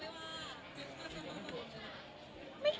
อเรนนี่ปุ๊ปอเรนนี่ปุ๊ป